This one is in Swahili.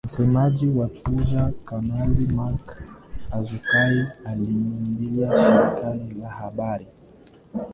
Msemaji wa Shujaa Kanali Mak Hazukay aliliambia shirika la habari